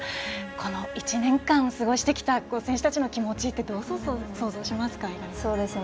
この１年間すごしてきた選手たちの気持ちどう想像しますか、猪狩さん。